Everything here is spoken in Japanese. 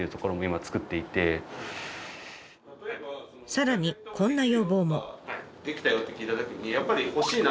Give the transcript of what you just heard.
さらにこんな要望も。